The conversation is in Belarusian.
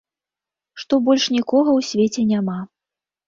Што больш нікога ў свеце няма.